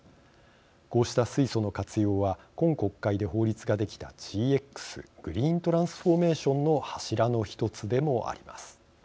こうした水素の活用は今国会で法律ができたＧＸグリーントランスフォーメーションの柱の１つでもあります。